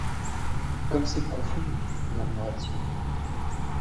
Comme c’est profond! murmura Étienne.